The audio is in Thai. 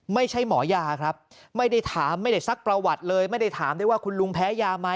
ไม่ใช่หมอยาครับไม่ได้ถามไม่ได้ซักประวัติเลย